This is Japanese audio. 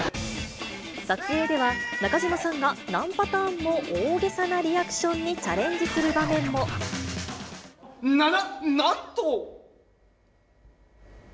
撮影では、中島さんが何パターンも大げさなリアクションにチャレンジする場な、な、なんと！